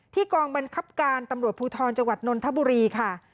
ที่กองบัญคับการตำรวจภูทรจวดนนทบุรีครับ